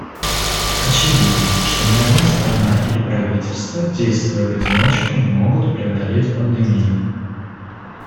Очевидно, что ни одна страна или правительство, действуя в одиночку, не могут преодолеть пандемии.